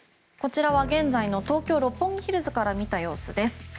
こちらは現在の東京・六本木ヒルズから見た様子です。